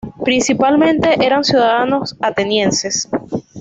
Principalmente eran ciudadanos atenienses.